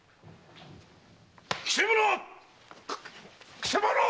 くせ者っ！